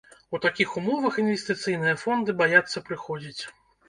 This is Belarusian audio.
У такіх умовах інвестыцыйныя фонды баяцца прыходзіць.